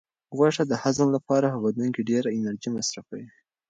غوښه د هضم لپاره په بدن کې ډېره انرژي مصرفوي.